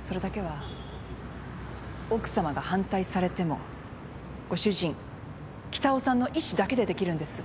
それだけは奥さまが反対されてもご主人北尾さんの意思だけでできるんです。